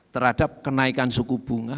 terhadap kenaikan suku bunga